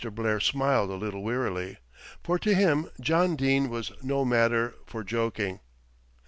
Blair smiled a little wearily; for to him John Dene was no matter for joking.